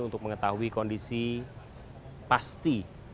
untuk mengetahui kondisi pasti